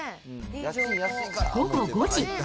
午後５時。